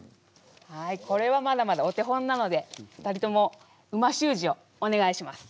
はいこれはまだまだお手本なので２人とも美味しゅう字をお願いします。